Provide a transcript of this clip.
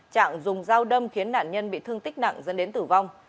trạng dùng dao đâm khiến nạn nhân bị thương tích nặng dẫn đến tử vong